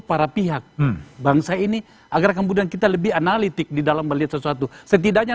para pihak bangsa ini agar kemudian kita lebih analitik di dalam melihat sesuatu setidaknya